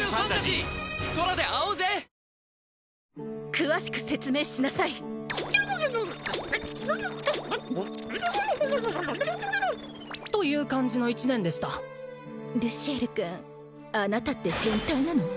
詳しく説明しなさいという感じの一年でしたルシエル君あなたって変態なの？